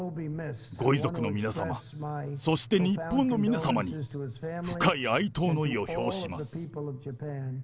ご遺族の皆様、そして日本の皆様に、深い哀悼の意を表します。